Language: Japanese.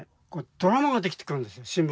ドラマができてくるんです新聞